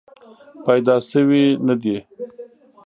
پیدا شوې نه دي.